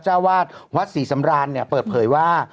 เจ้าวาดวัดศรีสำรานเนี่ยเปิดเผยว่า